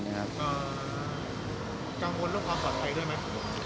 ก็กังวลเรื่องความปลอดภัยด้วยไหม